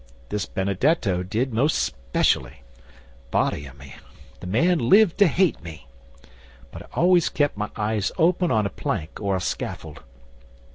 This Benedetto did most specially. Body o' me, the man lived to hate me! But I always kept my eyes open on a plank or a scaffold.